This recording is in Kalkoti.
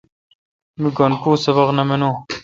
می گن پو سبق نہ مانون۔